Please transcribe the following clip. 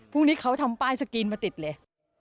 พรุ่งนี้เขาทำป้ายสกรีนมาติดเลย